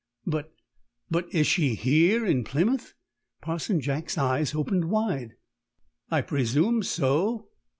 "But but is she here in Plymouth?" Parson Jack's eyes opened wide. "I presume so.